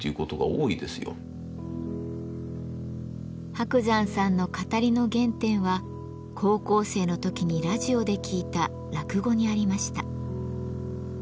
伯山さんの語りの原点は高校生の時にラジオで聞いた落語にありました。